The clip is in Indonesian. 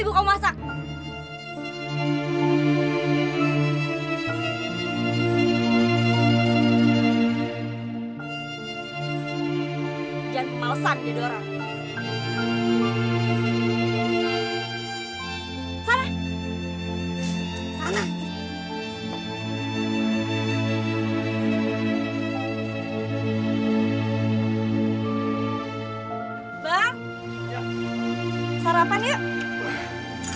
bang sarapan yuk